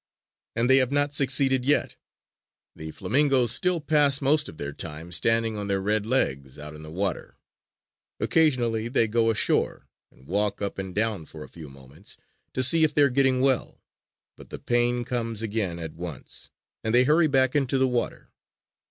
And they have not succeeded yet. The flamingoes still pass most of their time standing on their red legs out in the water. Occasionally they go ashore and walk up and down for a few moments to see if they are getting well. But the pain comes again at once, and they hurry back into the water.